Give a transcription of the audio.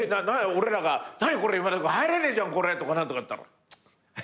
俺らが「何これ今田君入れねえじゃん！」とか何とか言ったら。